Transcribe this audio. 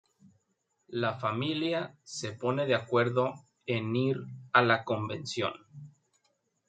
La familia se pone de acuerdo en ir a la convención.